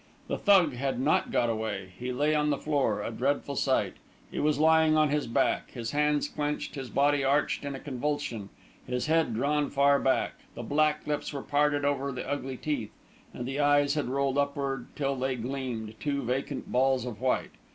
The Thug had not got away. He lay on the floor a dreadful sight. He was lying on his back, his hands clenched, his body arched in a convulsion, his head drawn far back. The black lips were parted over the ugly teeth, and the eyes had rolled upward till they gleamed, two vacant balls of white.